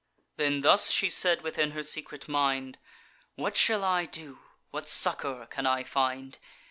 Then thus she said within her secret mind: "What shall I do? what succour can I find?